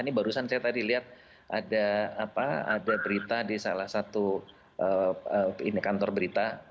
ini barusan saya tadi lihat ada berita di salah satu kantor berita